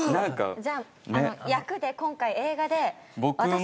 じゃあ役で今回映画で私が。